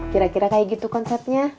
kira kira kayak gitu konsepnya